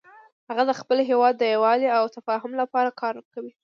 هغه د خپل هیواد د یووالي او تفاهم لپاره کار کوي